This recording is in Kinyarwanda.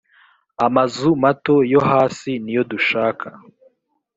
amazu mato yo hasi niyo dushaka